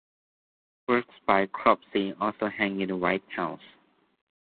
Works by Cropsey also hang in the White House.